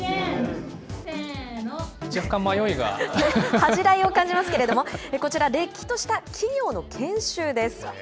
恥じらいを感じますけれども、こちら、れっきとした企業の研修です。